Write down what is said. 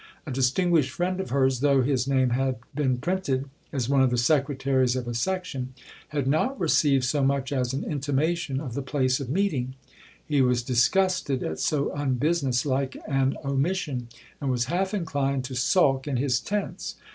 A distinguished friend of hers, though his name had been printed as one of the secretaries of a Section, had not received so much as an intimation of the place of meeting; he was disgusted at so unbusiness like an omission, and was half inclined to sulk in his tents.